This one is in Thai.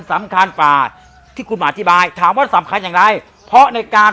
สำคัญกว่าที่คุณอธิบายถามว่าสำคัญอย่างไรเพราะในการ